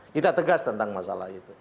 kita tegas tentang masalah itu